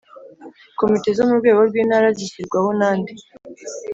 comite zo murwego rw’intara zishyirwaho nande